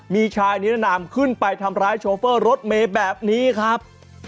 มีชายนิรนามขึ้นไปทำร้ายโชเฟอร์รถเมย์แบบนี้ครับ